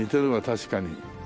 確かに。